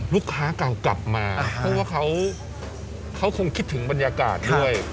เก่ากลับมาเพราะว่าเขาคงคิดถึงบรรยากาศด้วย